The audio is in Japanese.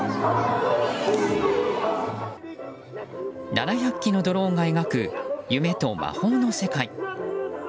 ７００機のドローンが描く夢と魔法の世界。